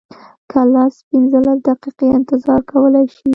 که لس پنځلس دقیقې انتظار کولی شې.